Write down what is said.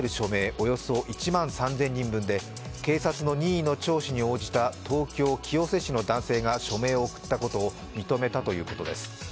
およそ１万３０００人分で警察の任意の聴取に応じた東京・清瀬市の男性が署名を送ったことを認めたということです。